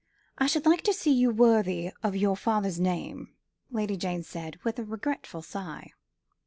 "I should like to see you worthy of your father's name," Lady Jane said, with a regretful sigh.